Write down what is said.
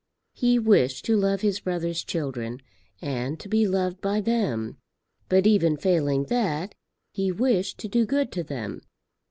He wished to love his brother's children, and to be loved by them; but even failing that, he wished to do good to them.